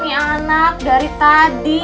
nih anak dari tadi